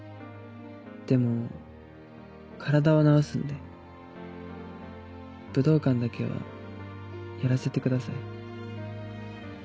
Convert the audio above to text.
でも体は治すんで武道館だけはやらせてください。